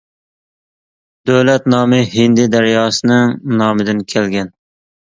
دۆلەت نامى ھىندى دەرياسىنىڭ نامىدىن كەلگەن.